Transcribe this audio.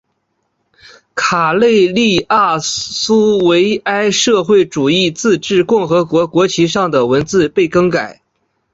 卡累利阿苏维埃社会主义自治共和国国旗上的文字被更改。